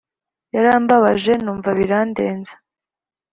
Yarambabaje numva birandenze